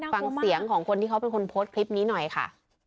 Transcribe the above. ฟังเสียงของคนที่เขาเป็นคนโพสต์คลิปนี้หน่อยค่ะ